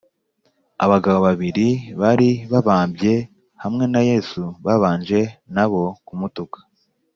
abagabo babiri bari babambye hamwe na yesu babanje na bo kumutuka;